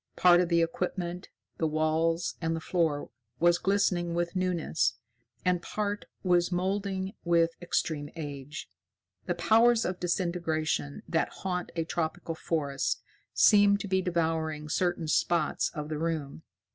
Part of the equipment, the walls, and the floor was glistening with newness, and part was moulding with extreme age. The powers of disintegration that haunt a tropical forest seemed to be devouring certain spots of the room.